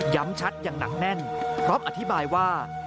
ชัดอย่างหนักแน่นพร้อมอธิบายว่า